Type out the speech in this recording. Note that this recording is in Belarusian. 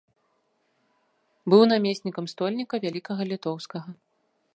Быў намеснікам стольніка вялікага літоўскага.